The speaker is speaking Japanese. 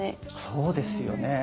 そうですよね。